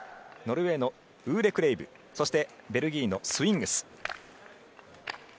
ノルウェーのウーレクレイブそしてベルギーのスウィングス。